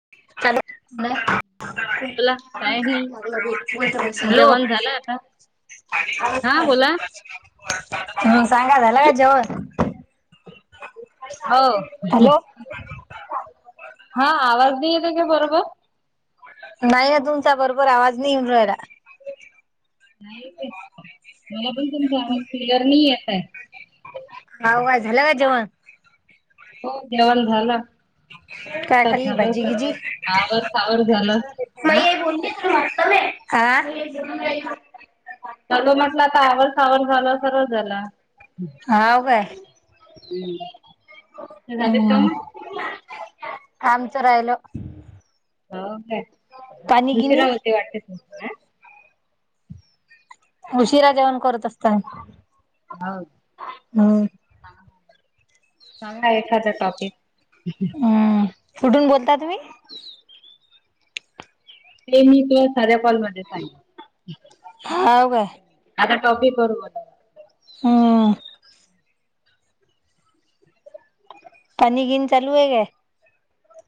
[unintelligible] [unintelligible] Hello बोला काय नाही जेवण झालं आता हा बोला म सांगा झाला का जवण हो हॅलो हा आवाज न्हय येतोय काय बरोबर नाही ना तुमचा बरोबर आवाज न्हय येऊन रायला नाही ते मला पण तुमचा आवाज क्लिअर न्हय येत आय ह वा झालं का जेवण हो जेवण झालं काय आता खाल्ली झालं भाजी सर्व गिजी आवर सावर झालं हा हा त्याग म्हटलं आता आवर सावर झाला सगळ झाला हाव काय? झालीत काम. आमच राहिलो हो का उशिरा होते वाटते तुमचंआ उशिरा जेवण करत असतो आणि हो [unintelligible] सांगा एखादां टॉपीक हम्म कुठून बोलता तुम्ही ते मी तुला साध्या कॉल मध्ये सांगे हाव काय आता टॉपी करू हम पाणी गिन चालू आहे का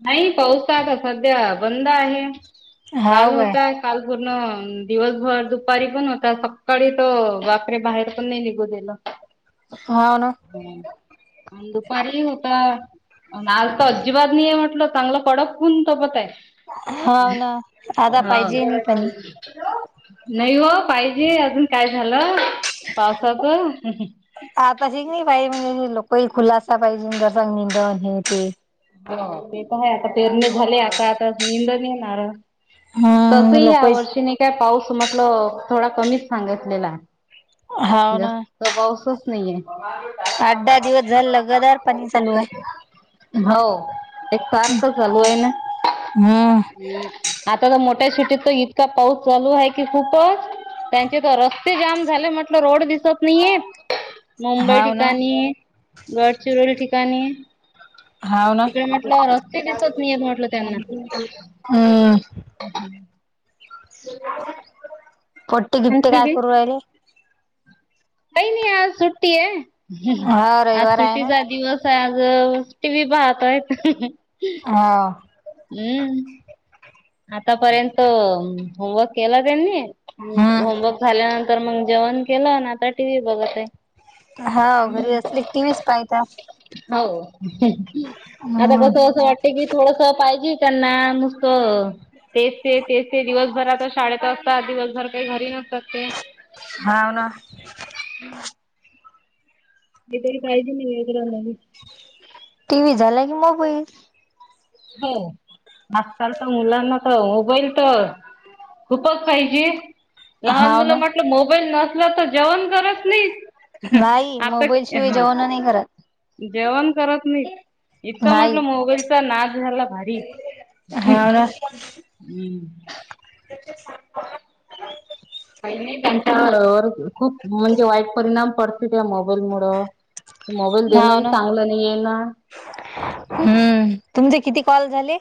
नाही पाऊस आता सध्या बंद आहे काल हाव काय होताय काल पूर्ण दिवसभर दुपारी पण होता सकाळी त वापरे बाहेर पण नाही निघू दिेलं होव ना अण दुपारी होता अन आज त अजिबात नही आहे म म्हणलं चांगलं कडक ऊन तपत आहे. हाव ना आता हा पाहिजे नाही पाणी नही हो. पाहिजे अजून काय झालं पावसाच [unintelligible] ते त आहे, आता पेरणे झाले, आता आता निंदनी येणार. तस हम्म लोक या वर्षी नी काय पाऊस म्हटल थोडा कमीच सांगितलेला हाव ना जास्त पाऊसच नहीये आठ दहा दिवस झाले लगादार पाणी चालू आहे हो एक सारखं चालू आहे ना, हम्म आता तर मो त्या सिटीत तर इतका पाऊस चालू आहे की खूपच त्यांचे त रस ते जाम झाले म्हटलं रोड दिस [unintelligible] मुंबई हाव ना ठिकाणी गडचिरोली ठिकाणी हाव ना तिकडे म्हटलं रस्ते दिसत नाहीयेत म्हटलं त्यांना हं! पट्टे गिप्टे आणखी काय बी करू राहिले. काही नाही आज सुट्टी आहे, हा आज रविवार आहे ना. सुट्टीचा दिवस आहे आज टीव्ही पाहतायेत हा! हूं आतापर्यंत होमवर्क केला त्यांनी हम्म. होमवर्क झाल्यानंतर मग जेवण केलं, न आता टी व्ही बघत आहे. हा घरी असले टी व्हीच पाहता. हो आता हम्म कस अस वाटते, की थोडस पाहिजे त्यांना नुस्तं सारा दिवसभर काही घरी नसतात ते. हाव ना! [unintelligible] टी वही झाला की मोबाईल हो आजकालच्या मुलांना त मोबाईल त. खूपच पाहिजे लहान हाव मुलं ना. म्हटलं मोबाईल नसल्या तर जेवण करत नहीत नाही अपॅक मोबाईल शिवाय हं. जेवण नाही करत. जेवण करत नाही इतकं नाही म्हटलं मोबाईल तिचा नाच झाला भारी हूं! हाव ना त्या सांगत [unintelligible] त्यांच्यावर खूप म्हणजे वाईट परिणाम पडतील त्या मोबाईल मुड मोबाईल हाव देणं चांगलं नाही ये ना हूं तुमचे किती कॉल झाले?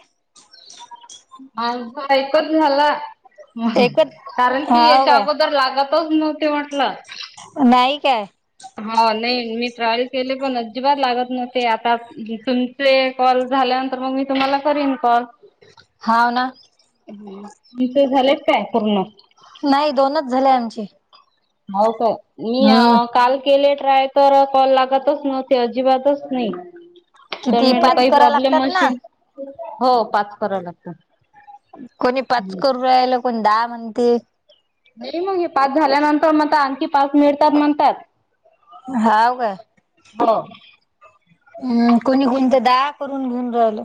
माझं ऐकत झाला एकच कारण की हाव याच्या काय अगोदर लागत. तोच नव्हते म्हटलं नाही काय? हा नही मी ट्रायल केले पण अजिबात लागत नव्हते, आता तुमचे कॉल झाल्यानंतर मग मी तुम्हाला करीन कॉल हाव ना! इचे झालेच काय पूर्ण? नाही दोनच झाले आमची हो का मी अ काल केलेत. ट्राय तर कॉल लागतच नव्हते अजिबातच नाही. तर किती म्हटलं पाच काही करा प्रॉब्लेम लागतात ना मशीन, हो पाच कराव लागता कोणी पाच करु राहील, कोणी दहा म्हणती नही मग हे पाच झाल्यानंतर मता आणखी पाच मिळतात म्हणतात हाव का. हो. हम्म कोणी कोणत दा करून घेऊन राहिलं.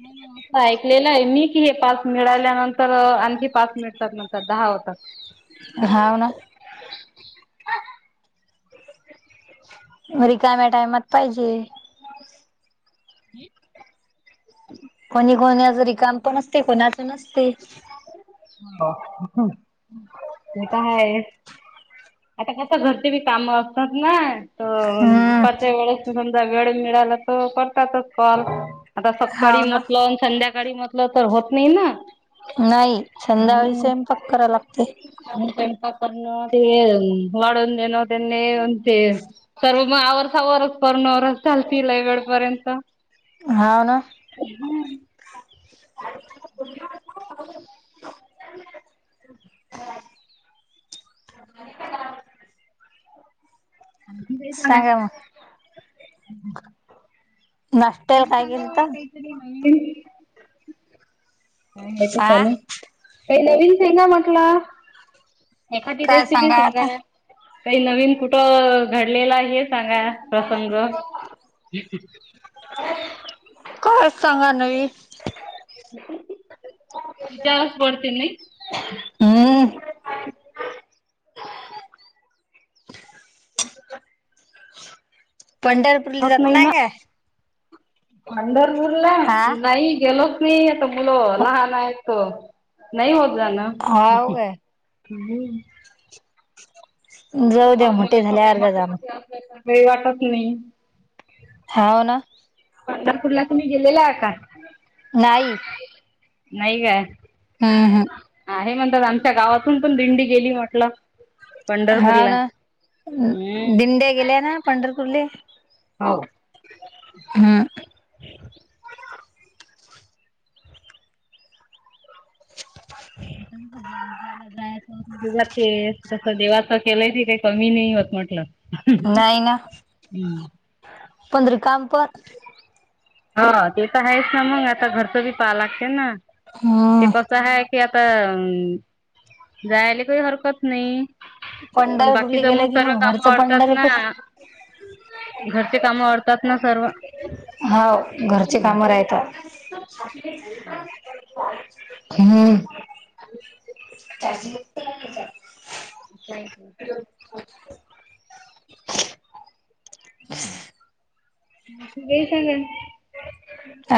नाही असं ऐकलेलं आहे मी कि हे पाच मिळाल्यानंतर आणखी पाच मिळतात नंतर दहा. होता. हाव ना. घ रिकाम्या टायमात पाहिजे. हम. कोणी कोणी जरी काम पण असते कोणाच नसते. हो ते तर ह. आता कस घरचे बी काम असतात ना तर हम्म दुपारच्या वेळेस. वेळ मिळाला त करतातच कॉल. आता सकाळी हाव ना म्हटलं संध्याकाळी म्हटलं तर होत नाही ना. नाही संध्याकाळी सेम पक् कराय लागत. पणपाकरर्ण अ वाडनेनोदन. ते सर्व मग वर्ष वरस पन वरस चालतील वेळपर्यंत हाव ना हम्. [inaudible] [inaudible] आ का झा. सांगा मग नाश्त्याला काय केलं तर [unintelligible] ह हेच हा चाल काही नवीनच ना म्हटला. एखादी काय रेसिपी सांगा आता काही नवीन कुठं घडलेला आहे. हे सांगा प्रसंग. काय चांगा नवी. विचच पडतन. हम्म. पंढरपूरली होत जात नाही ना का. पंढरपूरला हा नाही गेलोच नाही आता मुलं लहान आहेत. हो नाही होत जा ना. हाव काय ं जाऊ द्या मग मला मोठे थोड्या झाल्यावर जा मोठे जा मग मोठे असल्या तर वेळ वाटत नाही. हा हो ना. पंढरपूरला तुम्ही गेलेला आ का. नाही. नाही का. हम् हम्. आमच्या गावातून पण दिंडी गेली म्हटलं हा पंढरपूरला ना हम्म दिंड गेल्या ना पंढरपूरले हो हा. आताला जायचं ज ते तस देवाचं केलंय काही. कमी नाही होत म्हटलं. नाही ना पण रिकाम पण हा ते तर आहेच ना मंग आता घरचं बी पाहा लागते ना ते हम्म कसं आहे. कि आता जायला काही हरकत नाही. पण बाकी पंढरपूरला ज मग गेलं की सर्व कामं घरचं वाढतात ना. पंढरपूर घरचे काम वाढतात ना सर्व हाव घरचे कामं रायत. हम्म का. [unintelligible] ते झा ना.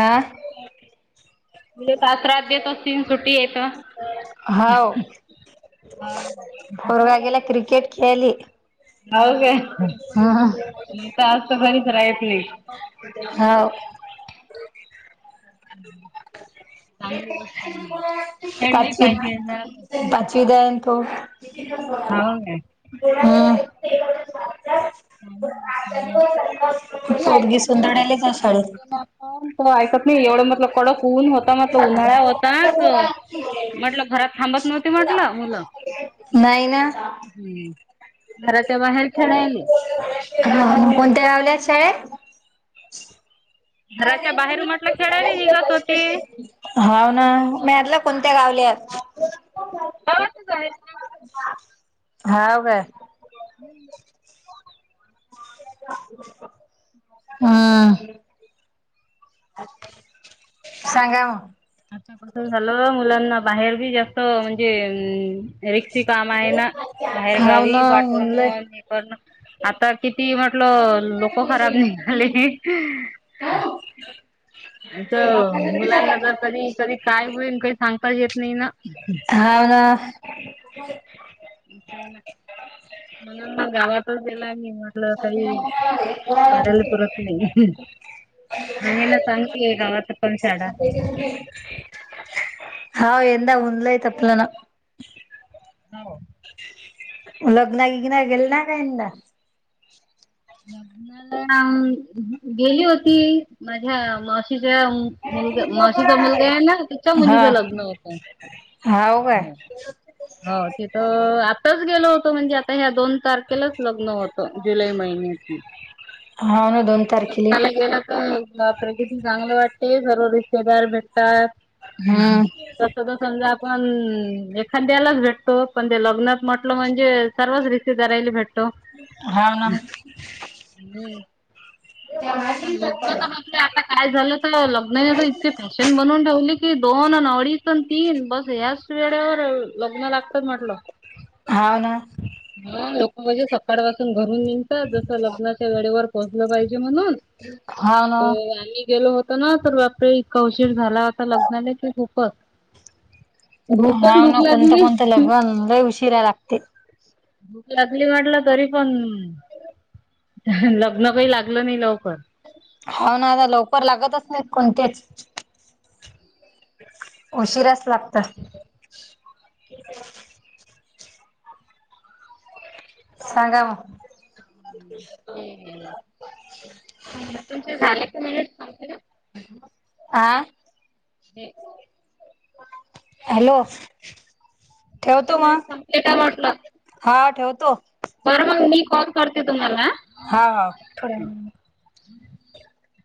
आ. म्हजे दातरा अध्या तच सीन सुटी येत. हाव हा पोरगा गेला क्रिकेट खेली हो कायता आज तर घरीच रायच होा चांगली गोष्ट आहे खेळली पाचवी पाहिजे जरासं पाचवी दन हो ह हाव काय [inaudible] म पोरगी ऐकत नाही सोंदडायलाच तुही आहे शाळेत. सांगित नाण त ऐकत नाही एवढं म्हटलं कडत खऊन होता म्हटलं उन्हाळ्या होताच म्हटलं घरात थांबत नव्हती म्हटलं मुलं नाही ना हम्म घराच्या बाहेर खेळायला ह कोणत्या रावल्यात शाळेत घराच्या बाहेर म्हटलं खेळायला निघत हा ना मलं कोणत्या गावल्यात बावाचच आहे ना हाव का हम् हम् सांगा म आता प्रस झालं मुलांना बाहेर बी जास्त म्हणजे अम रिक्षी काम आहे ना बाहेर हाव ना गावी उनलय. पाठवण करण आता किती म्हटलं लोक खराब निघाले मुलांना जर कधी कधी काय होईल काही सांग अ येत नाही ना ह काय ना मला ना गावातच त्याला मी म्हटलं काही कडायला पुरत नाही अ हे ना सांगते गावा तर पण शाडा हा यंदा उनलाय तपलं ना हो लग्नागिग्न गेल ना कायंद ् गेली होती माझ्याशी ज्या मुलगा माशीचा मुलगा आहे ना तिच्या हा मुलीच लग्न होतं हाव काय हो ते तर आताच गेलो होतो म्हणजे आता ह्या दोन तारख लंच लग्न होतं जुलै महिन्याची हा लगनाला गेला तर प्रगिती चांगली वाटते सर्व रिश्तेदार भेटतात हम्म तस त समजा पण एखाद्यालाच भेटतो पण ते लग्नात म्हटलं म्हणजे सर्वच रिसी करायला भेटतो हा ना हम्म ह लग्न तर म्ह आता काय झालं तर लग्नने इतक फॅशन बनवून ठेवली दोन आणि अडीच आणि तीन बस याच वेळेवर लग्न लागत म्हटलं, हाव ना लोक म्हणजे सकाळ पासून घरून निघतात जसं लग्नाच्या वेळेवर पोहचलं पाहिजे. म्हणून, हाव ना तर आम्ही गेलो तर ना बापरे इतका उशीर झाला होता लग्नाला कि खूपच. भोकण हाव भूक ना कोणतं लागली. कोणतं लग्न लय उशिरा लागतेय. भूक लागली म्हटलं तरी पण लग्न काही लागलं नाही लवकर. हो ना आता लवकर लागतच नाही कोणतेच. उशिराच लागतात. सांगा मग [unintelligible] तुमचे झाले की नाही म्हंटल? आ ते हॅलो! तुमचे ठेवतो मिनिट मग, संपले हा ठेवतो बर मग मी कॉल करते तुम्हाला आ हा हा, थोड्या वेळानी [inaudible]